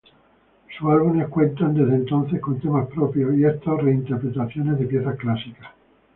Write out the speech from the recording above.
Sus álbumes cuentan desde entonces con temas propios y estas reinterpretaciones de piezas clásicas.